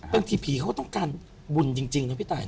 บางทีผีเขาต้องการบุญจริงนะพี่ตาย